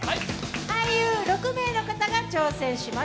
俳優６名の方が挑戦します。